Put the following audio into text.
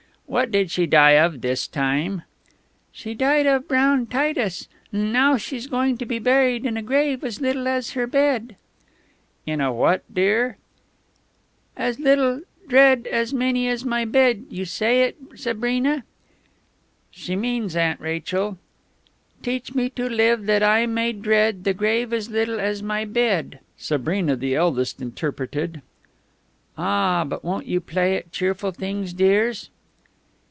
"What did she die of this time?" "She died of ... Brown Titus ... 'n now she's going to be buried in a grave as little as her bed." "In a what, dear?" "As little ... dread ... as little as my bed ... you say it, Sabrina." "She means, Aunt Rachel, "Teach me to live that I may dread The Grave as little as my bed," Sabrina, the eldest, interpreted. "Ah!... But won't you play at cheerful things, dears?"